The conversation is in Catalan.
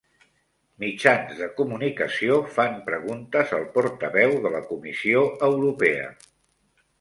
Mitjans de comunicació fan preguntes al portaveu de la Comissió Europea